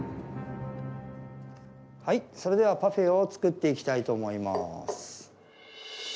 はいそれではパフェを作っていきたいと思います。